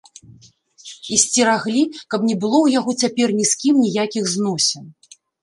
І сцераглі, каб не было ў яго цяпер ні з кім ніякіх зносін.